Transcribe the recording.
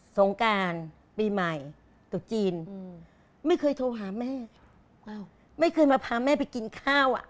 สงการปีใหม่ตุดจีนอืมไม่เคยโทรหาแม่อ้าวไม่เคยมาพาแม่ไปกินข้าวอ่ะ